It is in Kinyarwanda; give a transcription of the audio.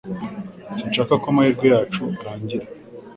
Sinshaka ko amahirwe yacu arangira.